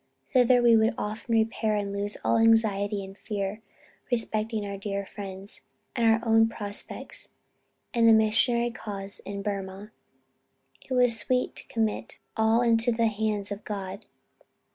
Thither we would often repair and lose all anxiety and fear respecting our dear friends, our own future prospects, and the Missionary cause in Burmah. It was sweet to commit all into the hands of God.